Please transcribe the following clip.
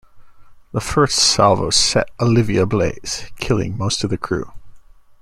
The first salvo set "Olivia" ablaze, killing most of the crew.